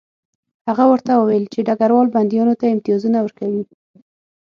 هغه ورته وویل چې ډګروال بندیانو ته امتیازونه ورکوي